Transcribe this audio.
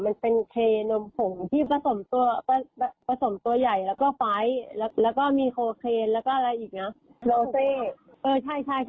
มันเป็นเคนมพงที่ผสมตัวใหญ่แล้วก็ไฟซ์แล้วก็มีโคเคนแล้วก็อะไรอีกเนี่ย